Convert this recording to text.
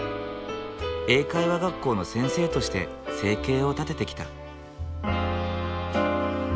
英会話学校の先生として生計を立ててきた。